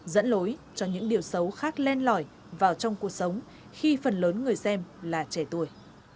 dẫn lối cho những điều xấu khác len lỏi vào trong cuộc sống khi phần lớn người xem là trẻ tuổi